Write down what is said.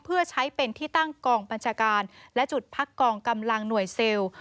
เพื่อใช้เป็นที่ตั้งกองบัญชาการและจุดพักกองกำลังหน่วยเซลล์